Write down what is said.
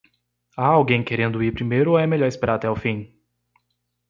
Há alguém querendo ir primeiro ou é melhor esperar até o fim?